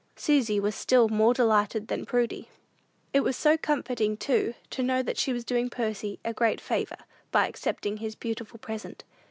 Susy was still more delighted than Prudy. It was so comforting, too, to know that she was doing Percy "a great favor," by accepting his beautiful present.